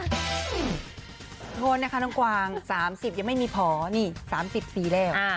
โทษนะคะทั้งกว่าง๓๐ยังไม่พอ๓๐ปีแล้ว